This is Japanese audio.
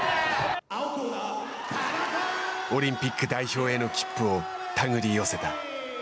オリンピック代表への切符を手繰り寄せた。